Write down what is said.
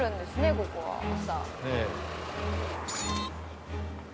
ここは朝。